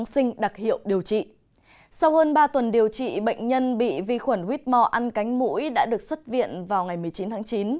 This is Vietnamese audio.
sau hơn ba tuần điều trị bệnh nhân bị vi khuẩn whitmore ăn cánh mũi đã được xuất viện vào ngày một mươi chín tháng chín